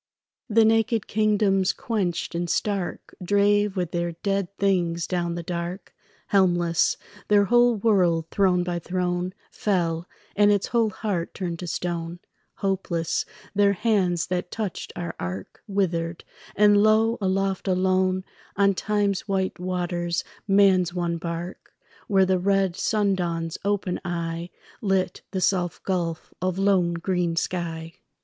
The naked kingdoms quenched and stark Drave with their dead things down the dark, Helmless; their whole world, throne by throne, Fell, and its whole heart turned to stone, Hopeless; their hands that touched our ark Withered; and lo, aloft, alone, On time's white waters man's one bark, Where the red sundawn's open eye Lit the soft gulf of low green sky.